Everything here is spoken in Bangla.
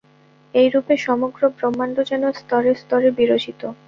এইরূপে সমগ্র ব্রহ্মাণ্ড যেন স্তরে স্তরে বিরচিত।